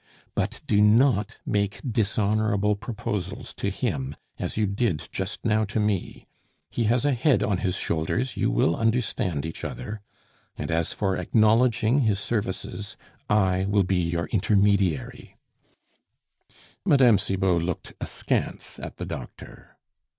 But do not make dishonorable proposals to him, as you did just now to me; he has a head on his shoulders, you will understand each other. And as for acknowledging his services, I will be your intermediary " Mme. Cibot looked askance at the doctor.